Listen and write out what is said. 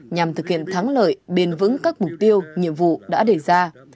nhằm thực hiện thắng lợi biên vững các mục tiêu nhiệm vụ đã đề ra